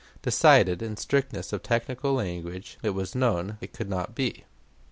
Decided in strictness of technical language, it was known it could not be.